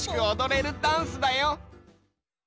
おどれるダンスだよ。